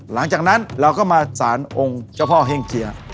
หลังจากนั้นเราก็มาสารองค์เจ้าพ่อเฮ่งเจีย